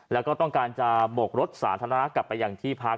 แล้วก็ต้องการจะบกรถสาธารณะกลับไปอย่างที่พัก